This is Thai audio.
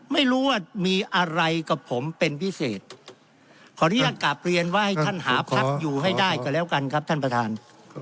ไม่รู้ว่ามีอะไรกับผมเป็นพิเศษขออนุญาตกลับเรียนว่าให้ท่านหาพักอยู่ให้ได้ก็แล้วกันครับท่านประธาน